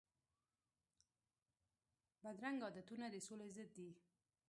بدرنګه عادتونه د سولي ضد دي